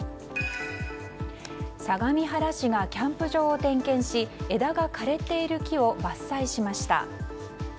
相模原市がキャンプ場を点検し枝が枯れている木を伐採しました。